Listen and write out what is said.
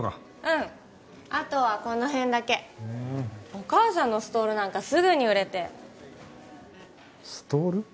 うんあとはこの辺だけふんお母さんのストールなんかすぐに売れてストール？